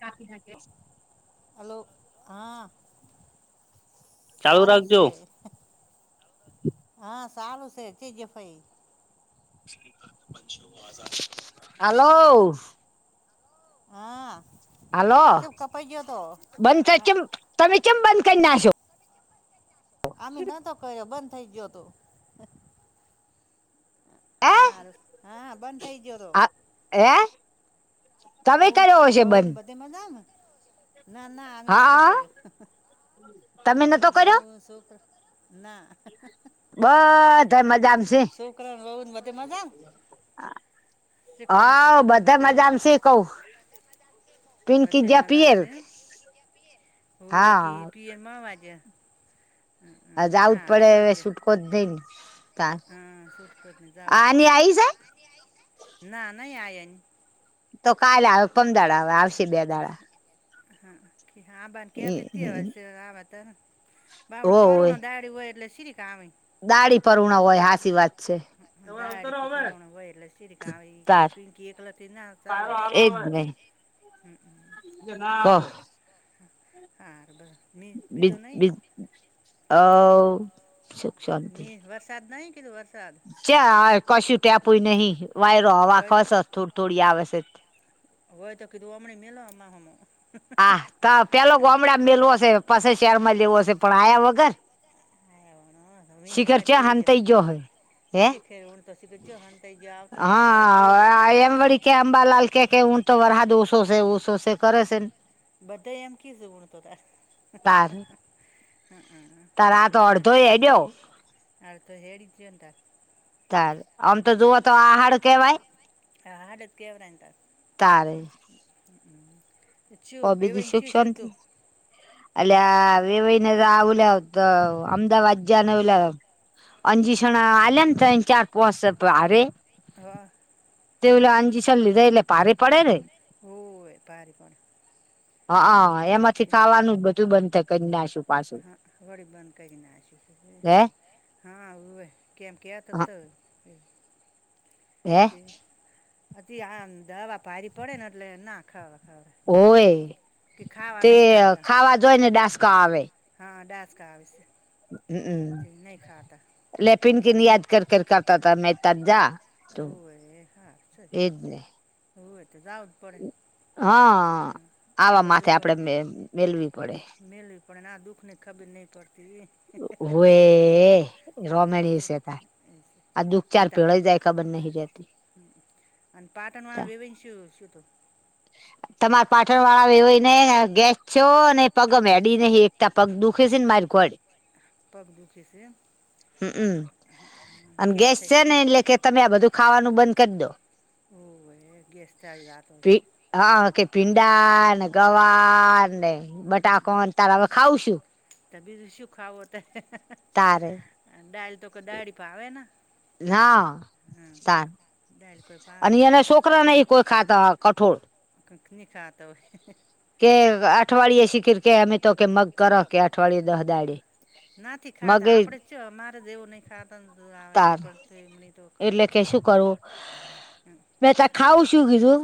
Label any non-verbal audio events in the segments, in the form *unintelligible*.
કાપી નાંખેસ હલો હા સાલુસે હા, સારુંસે ક્યાંગ્યો ભાઈ હલો હા હાલો બંધ થઈ ચેમ તમે ચેમ બંધ કરી નાશો આમ નતો કર્યો બંધ થઇ ગયો તો, હા હા બન આ હે વઉ વઉ બધે મજામા? ના ના આમે નતો કર્યો, હવે હુ શું ના છોકરાણ વવન બધે મજા હા બધા મજામાં શી કવુ બધે મજામ છે એમ *unintelligible* હખી પીય મળવા જ્યાં હ જ આવું જ પડે હવે સુૂટકો જ નઈ ને હા શૂટ કરીને જઉુ થોડે ના નાહી આયાની તો કાલે આવે પમ દાડા આવશે બે દાડા હા આબાને કે તય આ *unintelligible* ત બાબડ પરુણો દાળી હોય એટલે શ્રી કામ દાઢી પર ઉણ હોય હાસી વાત છે. દાડીકી પરનું હોય એટલે સિરી પિંકી એકલ થ ના ચાલે હમ હમ હ હા બ બજ બજ અ હ મ વરસાદ નહી કીધું વરસાદ ચ કશું ટેપું નહિ વાયરો હવા ખસ થોડી થોડી આવેશે. હોય તો કીધું હમનેં મેલો આમાં હ હા તો પેલો ગોમડા મેલવો હશે પસે શેર માં લેવો હશે પણ આયા વગર શિખર ચ્યા હાંતઈ જ્યો હોય હે હા એમ વળી કે અંબાલાલ કે કે તો વરહાદ ઉસો છે ઉસોષ કરે છે ને બધા એમ ક સુું ગણતો *unintelligible* ત તાર આ તો અડધો એજો ચાર આમ તો જોવ તો આહાડુ કેવાય હા હાડત કેવરા એંત શ્યુ બેવાઇ ન શ્યુ તુ અલ્યા વેવઈને આવલ તો અમદાવાદ જ્યા ઓલ્યા અંજીસણ આલ્યા ત્રણ ચાર પોસ છે હારે હા તો એલે આંજીસન લીધે એટલે ભારે પડે ર હો ભારે પડ કન્યા શું હા ગરી બંધ કરી *unintelligible* *inaudible* હા એ કેમ કહ તય હે? હ આ દવા ભારી પડે ને એટલે ના ખાવા હોય તે ખાવા જોય ને ડસ્કા આવે. હા ડાસ્કા આવીશે. હમ લેપિન કે નયાદ કર કર કરતા ત મે તજ તો એજ ને હા આવા માથે આપડે મેલવી પડે. પણ એના દઃખને ખબરહી પડત. હોવે રોમેણીસતા આ દુખચાર પેળી જાય ખબર નહ જતી. અને પાટણવાળા વિવેન શ શ તો તમારે પાટણ વાળા વેવાઈ ને એ ગેસ થયો અને પગ મેડીને એકતા પગ દુખે છે ને મારી કોડ? પબ દુઃખી છે. અને ગેસ છે ને એટલે કે તમે આ બધું ખાવાનું બન હન કે ભીંડા ગવાર ને બટાકોન તારા હવે ખાવ છું? વો દાય તો કે દાળી ફાવે હા તાર અને એના છોકરા નહી કોઈ ખાતા કઠોળ કંક ન ખાતા હોય. ફિર કે અમે તો કે મગ કરો કે અઠવાડયે દહ દાડે નથી ખાતા આપડે ચ મારે દવું નહી ખાતાનેશે પણ એમ તો ખ શું કરવું મેત ખાવું શું કીધું?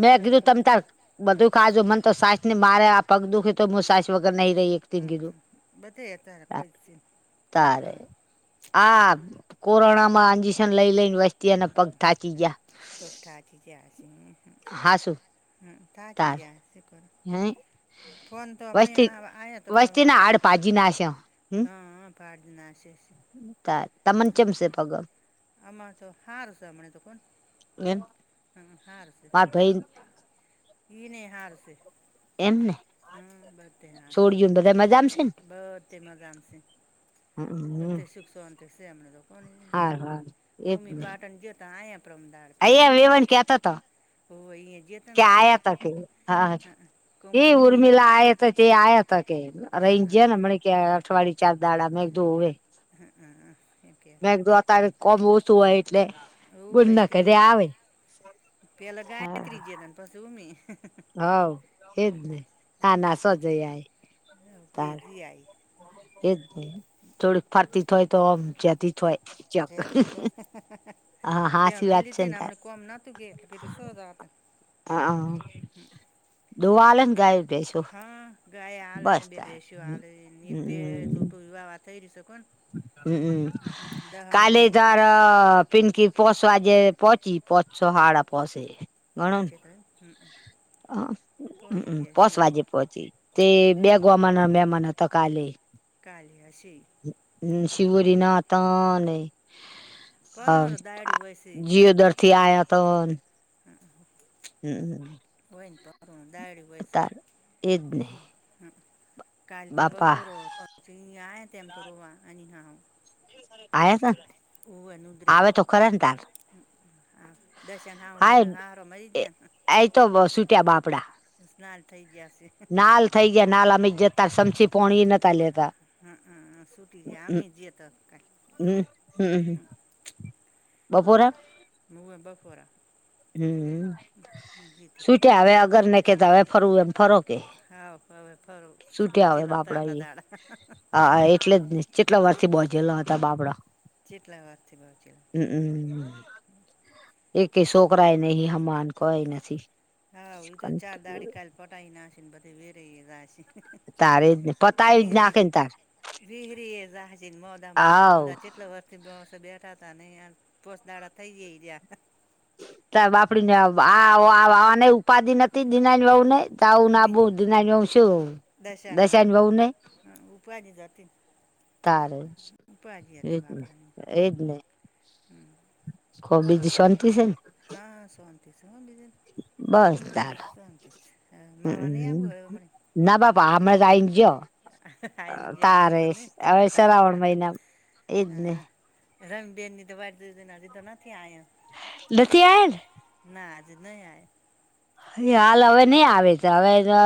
મેં કીધું તમ તાર બધું ખાજો મન તો સાયસ ને મારે્યા પગ દુખે તો મુ સાયસ વગર નહી રહી એક તન કીધું. તારે આ કોરોના ટિશન લઈ લઈને વસ્તી અને પગ થાચી ગયા હાશું. હમ તા જીય શ કર. હહી ફોન તો હમણાં આવ્યા તો પણ હા ભડ નાશે તમાન ચેમશે પગમ આમાં તો હારશે હમને તો કોણ હમ હાર છે. ઈને હારશે હમ બધ હાર છે બધ મજામ શે બે સુખસન સેમને તો કો હમી પાટણ જેતા આ અયા વેવાન ક્યાતા ત ઓ અઈંયા કે આયાત કે હા એ ઉર્મિલા આયાત કે આયાત ઓ રહીજયા ના મને કે અઠવાડીય ચાર દાળ મે જોવે મેદત કોમ વસુ હો એટ એટલે ગુડક જે આવે હા. પશુમી હવ એજને ના ના સજ આય તાર. એ થોડીક ફરતી જ હોય તોમ જતી જ હોય. ત અમે લીધી ને આપમને કોમ નાતું કે એટલે પીધું સો રાત હા હા. ગાય ભેશું ગાય હાલે ન બે ભેસુ આલ નેટ બે જોટો એવાવાથ એસ હ કાલે તાર પિનકી પશ આજે પોચી પચશો હાડા પસેે ગણ પોસ વાજે પહોચી તે બેગોમાના મહેમાન હતા કાલે કાલે અશેી *unintelligible* હમ શિવરી નાતા અને હ જીઓ દરથી આયા તો હોયન પા દાડી હોયસ હમ *inaudible* કા તો બફરો આ તેમમ તો રોવા અને હા આવે છે ને આવે તો ખરે ને તાર હા એ તો સુૂટ્યા બાપડા નાલ થઇ ગયા નાલ અમે જતા સમજી પોણી નતા લેતા હમમમ સુટી છે આ જએ તો હમ હમ બપોરે હમ- મ-મ સુૂટ્યા હવે અગર ને કેતા હવે ફરવું એમ ફરો. હા ફવે ફર પહોચી લો તારલા દાડા *unintelligible* કેટલા વર થી બહોજેલા હતા બાબડા. *unintelligible* એક કે શોક એ હમાન કો એ નસી. હા તો ચાર દાડી કાાલ પટાઈી નાશે ને બધે વેરે છે. તારે એ જ ને પતા એ જ નાખે ને તાર. વહરી એ જહજી મોદા મોદા *unintelligible* જેટલા વર્ષ વર્ષ બે ત નહાર પોસનાળ થઈ જઈ રહ્યા. ત બાપડી ને આ *unintelligible* આ ઉપાધિ નથી દિનાજ *unintelligible* ને. તઉું નાબુ દિના શું દશાની બહુ ને તારે જ એજને -એજને ખહબ બીજી શોન્તી છે. હા સોતી સ *unintelligible* સંત *unintelligible* હ માવાને આ બો હમને ના બાબા હમે જાયન જો. અજ હમણે તો ની કણા હતાકાકા હ-હ-હ રમ બેનની તો વાર દ દના તો નથી આયા. નથી આયા જ જના આય હાલ હવે નઈ આવે છે હવેજો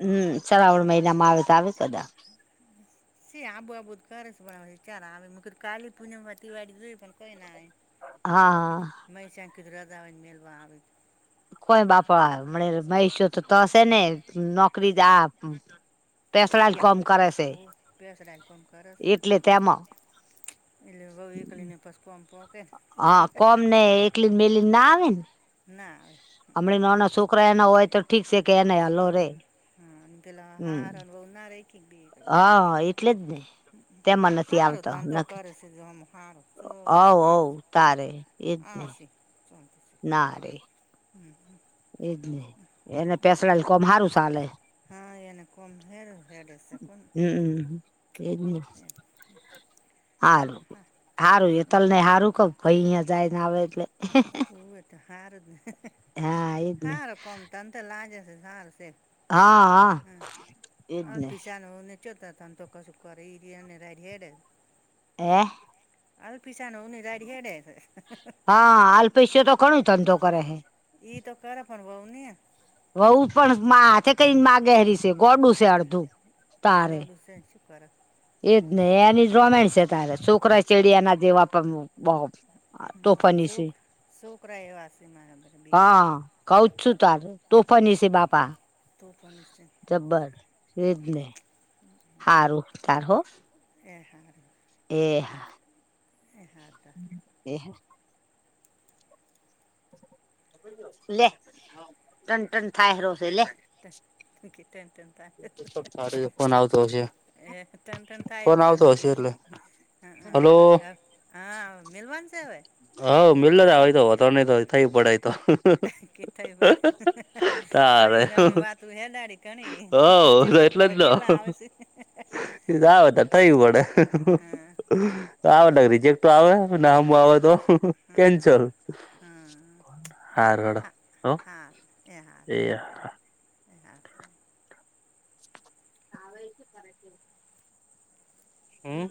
હમ શ્રાવણ મહિનામાં આવે તો આવે કદા. સ આબુ આબુ કર છે *unintelligible* ચાર હ મ *unintelligible* કાલી પૂનમ તિવાળ જોય પણ કોઈ નાઇ. હા હા કધરા જ *unintelligible* વાની મેલવા આવી. કોઈ બાપા મળે મહીસો તો તોશે ને નોકરી જા પેસડા જ કોમ કરે છે એટલે તેમાં એટલે વહુ એકલી ને પશુ કોમ *unintelligible* હા કોમ ને એકલી બેલીજ ના આવે ને હમણા નાના છોકરા એ ના હોય તો ઠીક છે કે ન હાલો રે! હમ *unintelligible* હાહા એટલે જ નને. તેમાં નથી આવતો નથ આવ ઓવ તારે એજ ને *unintelligible* ચ ના રે હમ હ એજ નઈ એને પેસલા કોમારું ચાલે. હા! એને કોમ હું હ *unintelligible* શકોન એજ ને હારું-હારું એટલ ન હારું કબ ખંઈહીં જાયને આવે એટલે ઉવે તો હારું જ ને હારું કોમ તંતર લાજે છે સારું છેે. હા! હા! એજ ને, જોત તોકા સુકો રઇ ર અને રડી હેડે. હએ! અલ્ પીશ નવની દાડી હેડે છે. હા! હલ્ પૈસ્યો તો ઘણું ધંધો કરે છેે. એઈ તો ઘરે પણ બવ ની વહું પણ મા હથે કઈ માં ગેરી છે ગોડું છે અડધું ત ગુવાડુસન શું કર એજ ને, એની જ રોમેયણ છે તારે, છોકરા ય ચેડી એના જેવા પણ તોફ ફાની છે. હા કહુ જ છું તાર. તો ફાની છે બાપા જબ્બર. એજ ને. હારું તાર હો. એ એ લે! ટન ટન થાય હારો છે. લે! *inaudible* ટન ટન થાય. હં, હં, હં. અ ટન ટન થાય *unintelligible* કે હંઅ *unintelligible* હા મેલવાનું છે હવે? હ *unintelligible* ન તો થઈ પડે ઈ તો. થઈ બ. થઈ નવી વાત હેંડાડી ઘણી, ચેટલા હવે એટલા આવશે. આવે ત થયું પડે, હં હં હં આવે ન રિજેક્ટ તો આવે, ના આમ આવે તો. કેંચોલ હા રડ હો એયાર આવે ઈ શું કરે છે? હં?